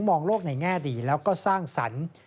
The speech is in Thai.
มองโลกในแง่ดีแล้วก็สร้างสรรค์